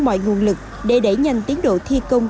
mọi nguồn lực để đẩy nhanh tiến độ thi công